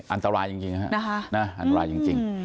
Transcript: อันตรายจริงฮะอันตรายจริง